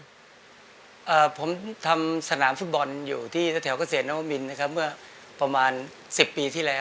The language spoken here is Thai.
อ่าผมทำสนามฟุตบอลอยู่ที่แถวเกษตรนวมินนะครับเมื่อประมาณสิบปีที่แล้ว